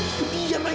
itu dia mak